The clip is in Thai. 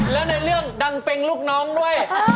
แล้วในเรื่องดังเป็งลูกน้องด้วย